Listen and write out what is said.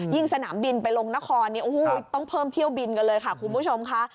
สนามบินไปลงนครต้องเพิ่มเที่ยวบินกันเลยค่ะคุณผู้ชมค่ะ